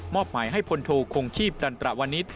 อบหมายให้พลโทคงชีพดันตระวนิษฐ